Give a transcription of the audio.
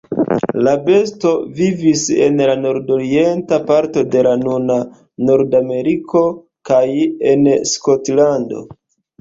La besto vivis en la nordorienta parto de la nuna Nord-Ameriko kaj en Skotlando.